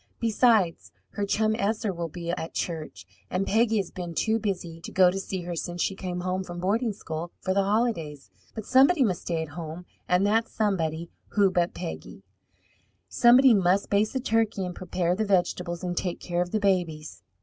Besides, her chum Esther will be at church, and Peggy has been too busy to go to see her since she came home from boarding school for the holidays. But somebody must stay at home, and that somebody who but Peggy? Somebody must baste the turkey and prepare the vegetables and take care of the babies.